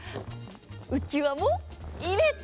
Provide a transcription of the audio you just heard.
うきわもいれた！